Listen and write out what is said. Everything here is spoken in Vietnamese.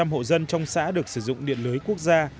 một trăm linh hộ dân trong xã được sử dụng điện lưới quốc gia